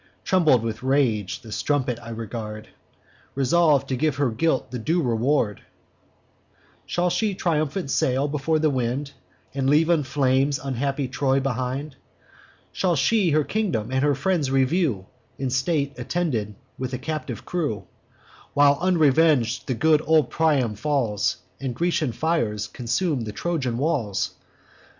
Trembling with rage, the strumpet I regard, Resolv'd to give her guilt the due reward: 'Shall she triumphant sail before the wind, And leave in flames unhappy Troy behind? Shall she her kingdom and her friends review, In state attended with a captive crew, While unreveng'd the good old Priam falls, And Grecian fires consume the Trojan walls?